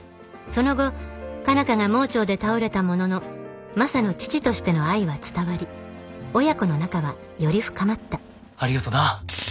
その後佳奈花が盲腸で倒れたもののマサの父としての愛は伝わり親子の仲はより深まったありがとな。